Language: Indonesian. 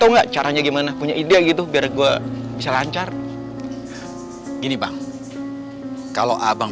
enggak caranya gimana punya ide gitu biar gua bisa lancar ini bang kalau abang